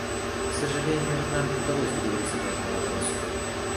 К сожалению, нам не удалось договориться по этому вопросу.